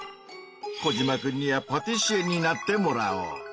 コジマくんにはパティシエになってもらおう！